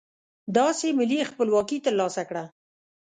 داسې ملي خپلواکي ترلاسه کړه.